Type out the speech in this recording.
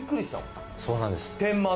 そうなんです。